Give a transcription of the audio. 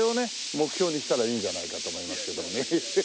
目標にしたらいいんじゃないかと思いますけどもね。